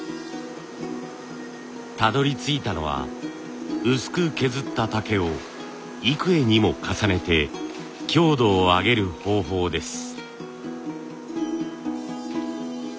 たどりついたのは薄く削った竹を幾重にも重ねて強度を上げる方法です。